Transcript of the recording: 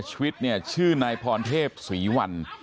ชีวิตเนี่ยชื่อนายพรเทพศรีวัน